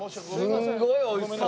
すんごいおいしそう。